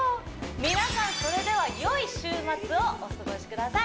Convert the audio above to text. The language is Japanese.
皆さんそれではよい週末をお過ごしください！